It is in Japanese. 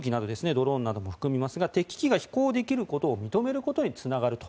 ドローンなども含みますが敵機が飛行できることを認めることにつながると。